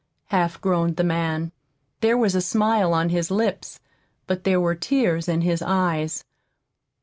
half groaned the man. There was a smile on his lips, but there were tears in his eyes.